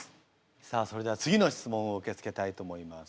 さあそれでは次の質問を受け付けたいと思います。